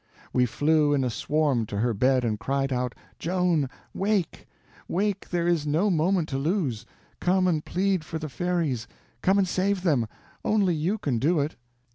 We flew in a swarm to her bed and cried out, "Joan, wake! Wake, there is no moment to lose! Come and plead for the fairies—come and save them; only you can do it!"